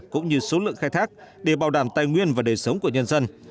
cũng như số lượng khai thác để bảo đảm tài nguyên và đời sống của nhân dân